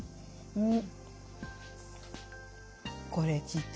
うん。